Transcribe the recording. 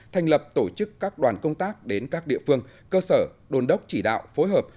thành lập tổ chức các đoàn công tác đến các địa phương cơ sở đồn đốc chỉ đạo phối hợp